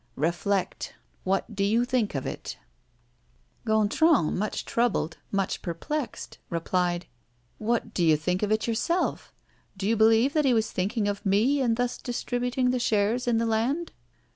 Reflect what do you think of it?" Gontran, much troubled, much perplexed, replied: "What do you think of it yourself? Do you believe that he was thinking of me in thus distributing the shares in the land?"